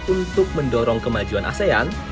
untuk mendorong kemajuan asean